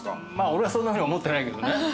俺はそんなふうに思ってないけどね